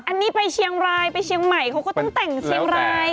อันนี้ไปเชียงรายไปเชียงใหม่เขาก็ต้องแต่งเชียงราย